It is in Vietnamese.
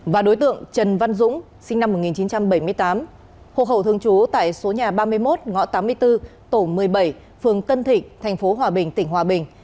và đối tượng trần văn dũng sinh năm một nghìn chín trăm bảy mươi tám hộ khẩu thường trú tại số nhà ba mươi một ngõ tám mươi bốn tổ một mươi bảy phường tân thịnh tp hòa bình tỉnh hòa bình